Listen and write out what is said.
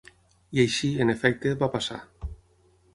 I així, en efecte, va passar.